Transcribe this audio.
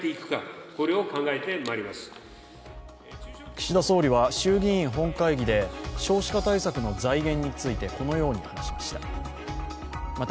岸田総理は衆議院本会議で少子化対策の財源についてこのように話しました。